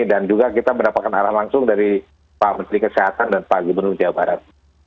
dan juga kita mendapatkan arah langsung dari pak menteri kesehatan dan pak gubernur jawa barat